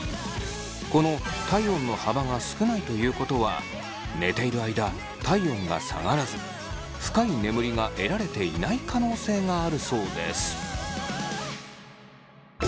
この体温の幅が少ないということは寝ている間体温が下がらず深い眠りが得られていない可能性があるそうです。